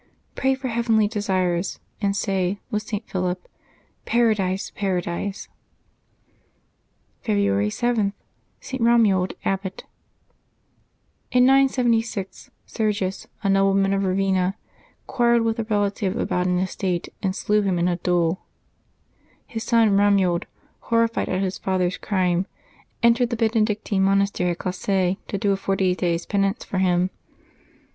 Pray for heav enly desires, and say, with St. Philip, " Paradise, Para dise!'' February 7.— ST. ROMUALD, Abbot. IN 976, Sergius, a nobleman of Eavenna, quarrelled with a relative about an estate, and slew him in a duel. His son Eomuald, horrified at his father's crime, entered the Benedictine monastery at Classe, to do a forty days' penance for him.